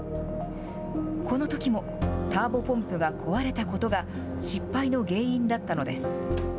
このときもターボポンプが壊れたことが、失敗の原因だったのです。